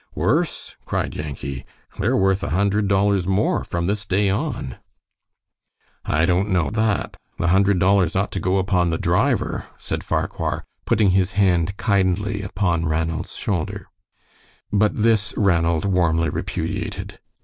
"Worse!" cried Yankee. "They're worth a hundred dollars more from this day on." "I don't know that. The hundred dollars ought to go upon the driver," said Farquhar, putting his hand kindly upon Ranald's shoulder. But this Ranald warmly repudiated.